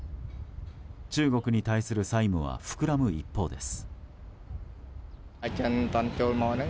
中国に対する債務は膨らむ一方です。